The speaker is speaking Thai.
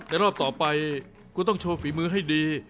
รอบต่อไปคุณต้องโชว์ฝีมือให้ดี